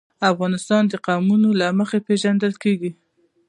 افغانستان د قومونه له مخې پېژندل کېږي.